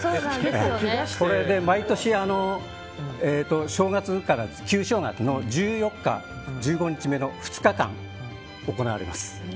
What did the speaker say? それで毎年、旧正月の１４日、１５日目の２日間行われます。